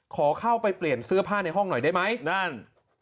ขอเข้าไปเปลี่ยนเสื้อผ้าในห้องหน่อยได้ไหมนั่น